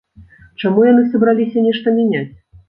Чаму яны сабраліся нешта мяняць?